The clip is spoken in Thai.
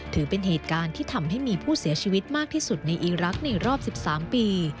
ถือเป็นเหตุการณ์ที่ทำให้มีผู้เสียชีวิตมากที่สุดในอีรักษ์ในรอบ๑๓ปี